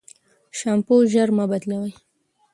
شامپو ژر مه بدلوی.